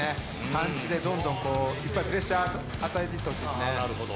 パンチでどんどん、いっぱいプレッシャー与えていってほしいですね。